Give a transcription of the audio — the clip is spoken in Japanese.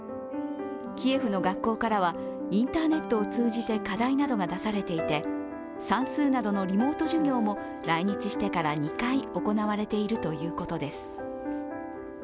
キエフの学校からはインターネットを通じて課題などが出されていて算数などのリモート授業も来日してから２回行われているということです。